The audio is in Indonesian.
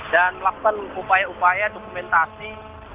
dan melakukan upaya upaya dokumentasi